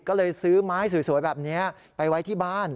ก็เลยซื้อไม้สวยแบบนี้ไปไว้ที่บ้าน